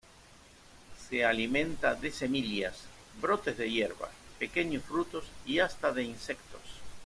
Se alimenta de semillas, brotes de hierbas, pequeños frutos y hasta de insectos.